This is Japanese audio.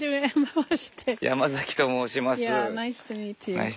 山崎と申します。